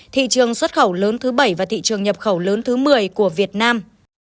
thị trường xuất khẩu lớn thứ bảy và thị trường nhập khẩu lớn thứ một mươi của việt nam